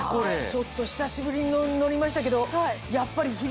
ちょっと久しぶりに乗りましたけどやっぱり響きますね。